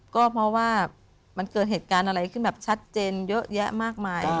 ก็เพราะว่ามันเกิดเหตุการณ์อะไรขึ้นแบบชัดเจนเยอะแยะมากมาย